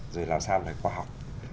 rồi làm sao để qua học